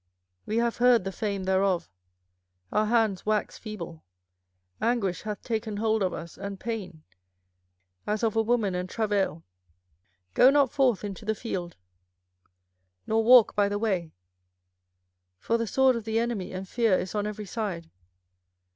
24:006:024 We have heard the fame thereof: our hands wax feeble: anguish hath taken hold of us, and pain, as of a woman in travail. 24:006:025 Go not forth into the field, nor walk by the way; for the sword of the enemy and fear is on every side.